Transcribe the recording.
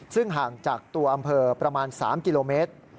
ซึ่งห่างจากตัวอำเภอประมาณ๓กิโลเมตร